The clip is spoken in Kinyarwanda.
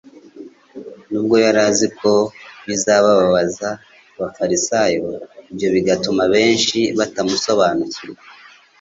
nubwo yari azi ko bizababaza abafarisayo, ibyo bigatuma benshi batamusobanukirwa.